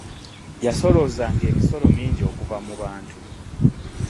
Yasoloozanga emisolo minji okuva mu bantu .